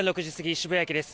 渋谷駅です。